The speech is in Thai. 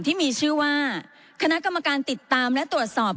ที่มีชื่อว่าคณะกรรมการติดตามและตรวจสอบ